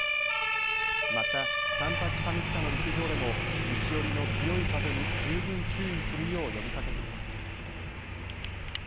また、三八上北の陸上でも西寄りの強い風に十分注意するよう呼びかけています。